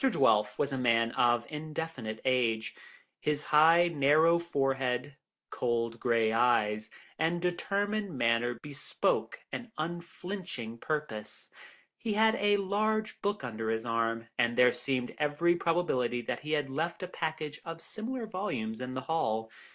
Dwelf was a man of indefinite age; his high, narrow forehead, cold grey eyes, and determined manner bespoke an unflinching purpose. He had a large book under his arm, and there seemed every probability that he had left a package of similar volumes in the hall.